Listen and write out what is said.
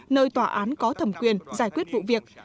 nơi tòa án có thẩm quyền giải quyết vụ việc